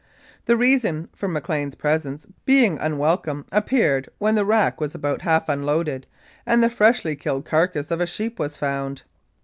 The reason for McLean's presence being unwelcome appeared when the rack was about half unloaded, and the freshly killed carcass of a sheep was found.